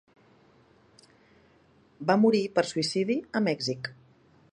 Va morir, per suïcidi, a Mèxic.